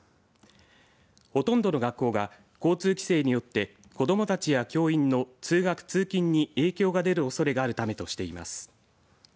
ほとんどの学校が交通規制によって子どもたちや教員の通学・通勤に影響が出るおそれがあるためとしています。